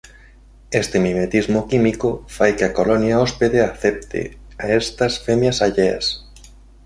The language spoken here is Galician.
Este mimetismo químico fai que a colonia hóspede acepte a estas femias alleas.